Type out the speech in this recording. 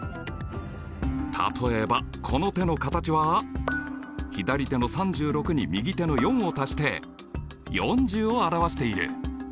例えばこの手の形は左手の３６に右手の４を足して４０を表している。